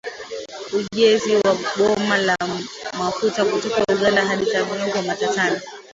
Ujenzi wa bomba la mafuta kutoka Uganda hadi Tanzania upo matatani